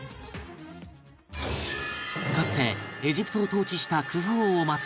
かつてエジプトを統治したクフ王を祭る